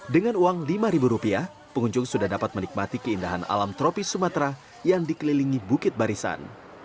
dengan uang lima rupiah pengunjung sudah dapat menikmati keindahan alam tropis sumatera yang dikelilingi bukit barisan